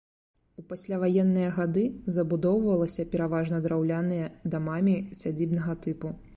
У пасляваенныя гады забудоўвалася пераважна драўляныя дамамі сядзібнага тыпу.